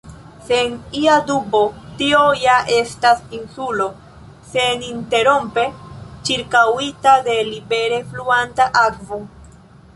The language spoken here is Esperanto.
Sen ia dubo, tio ja estas insulo, seninterrompe ĉirkaŭita de libere fluanta akvo.